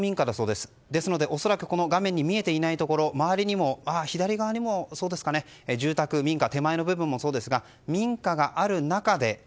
ですので、恐らくこの画面に見えていないところ周りにも左側にも住宅、民家手前の部分もそうですが民家がある中で。